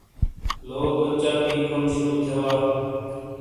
لوکو چا پی کروم شروع تھے وا۔